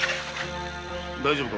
大丈夫か？